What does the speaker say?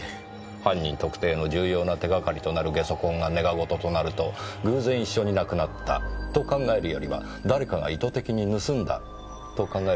犯人特定の重要な手がかりとなるゲソ痕がネガごととなると偶然一緒になくなったと考えるよりは誰かが意図的に盗んだと考えるべきでしょうねぇ。